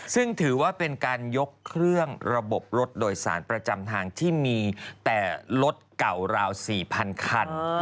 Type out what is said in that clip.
ซึ่งถือว่าเป็นการยกเครื่องระบบรถโดยสารประจำทางที่มีแต่รถเก่าราว๔๐๐๐คัน